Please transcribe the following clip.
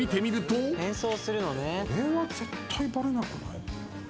これは絶対バレなくない？